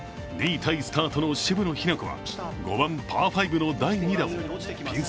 ２位タイスタートの渋野日向子は５番・パー５の第２打をピン